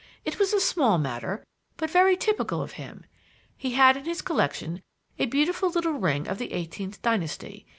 It was a small matter, but very typical of him. He had in his collection a beautiful little ring of the eighteenth dynasty.